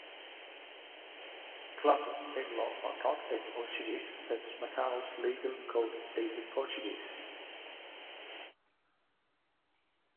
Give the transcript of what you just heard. Classes in law are taught in Portuguese since Macau's legal code is in Portuguese.